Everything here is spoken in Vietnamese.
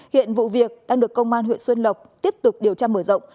hiện vụ việc đang được công an huyện xuân lộc tiếp tục điều tra mở rộng